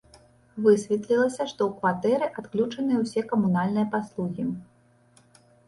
Высветлілася, што ў кватэры адключаныя ўсе камунальныя паслугі.